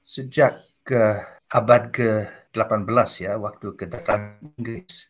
sejak ke abad ke delapan belas ya waktu kedatangan inggris